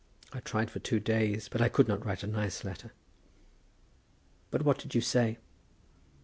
I tried for two days, but I could not write a nice letter." "But what did you say?"